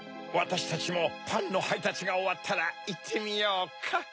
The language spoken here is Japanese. わたしたちもパンのはいたつがおわったらいってみようか。